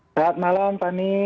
selamat malam pani